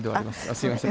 すいません。